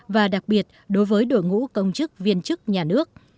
và đặc biệt đối với đội ngũ công chức viên chức nhà nước